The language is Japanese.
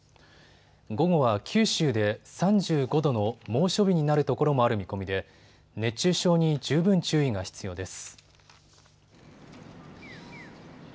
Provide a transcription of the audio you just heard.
午後は九州で３５度の猛暑日になる所もある見込みで熱中症に十分注意が必要です。